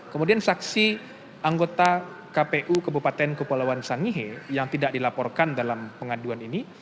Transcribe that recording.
kemudian saksi anggota kpu kebupaten kepulauan sangihe yang tidak dilaporkan dalam pengaduan ini